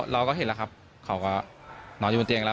เราก็เห็นแล้วครับเขาก็นอนอยู่บนเตียงแล้ว